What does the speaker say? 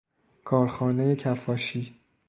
کارخانه کفاشی